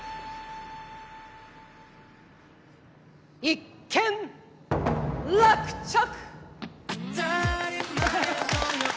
一件落着！